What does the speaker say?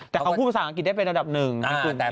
แต่เขาพูดภาษาอังกฤษได้เป็นอันดับหนึ่ง